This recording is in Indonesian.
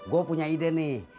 gua punya ide nih